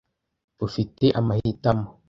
Ufite amahitamo.